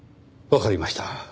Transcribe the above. わかりました。